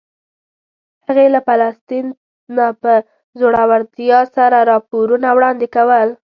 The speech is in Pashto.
هغې له فلسطین نه په زړورتیا سره راپورونه وړاندې کول.